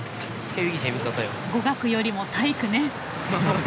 語学よりも体育ね。